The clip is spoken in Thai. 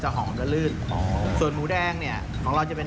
จากหมูแดงเนี่ยของเราจะเป็น